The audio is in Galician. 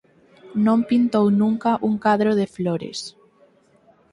Non pintou nunca un cadro de flores».